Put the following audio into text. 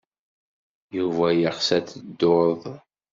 Yuba yeɣs ad teddud.